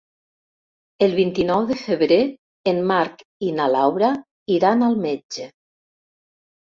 El vint-i-nou de febrer en Marc i na Laura iran al metge.